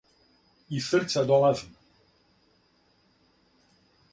Из срца долази.